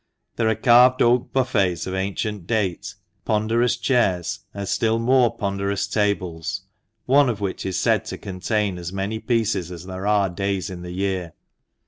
There are carved oak buffets of ancient date, ponderous chairs, and still more ponderous tables, one of which is said to contain as many pieces as there are days in the year.